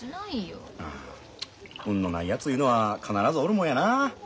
あ運のないやついうのは必ずおるもんやなあ。